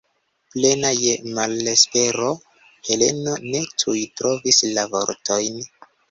Plena je malespero, Heleno ne tuj trovis la vortojn.